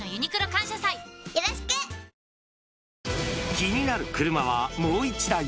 気になる車はもう１台。